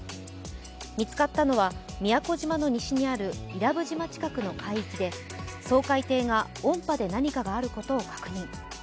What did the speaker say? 見つかったのは宮古島の西にある伊良部島近くの海域で掃海艇が、音波で何かがあることを確認。